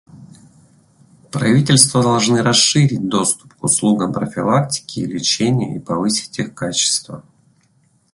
Правительства должны расширить доступ к услугам профилактики и лечения и повысить их качество.